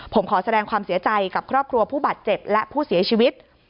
ผมขอแสดงความเสียใจกับครอบครัวผู้บาดเจ็บและผู้เสียชีวิต